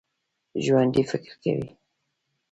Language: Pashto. ژوندي فکر کوي